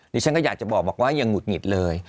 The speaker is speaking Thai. ดิฉันก็อยากจะบอกว่ายังหุดหงิดเลย